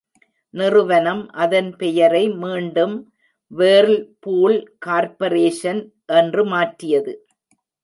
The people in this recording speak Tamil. நிறுவனம் அதன் பெயரை மீண்டும் வேர்ல்பூல் கார்ப்பரேஷன் என்று மாற்றியது.